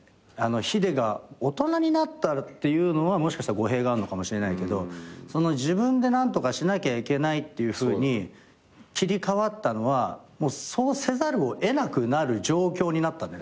ヒデが大人になったっていうのはもしかしたら語弊があるのかもしれないけど自分で何とかしなきゃいけないっていうふうに切り替わったのはもうそうせざるを得なくなる状況になったんだよ。